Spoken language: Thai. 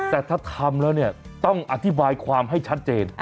แต่ถ้าทำแล้วเนี่ยต้องอธิบายความให้ชัดเจน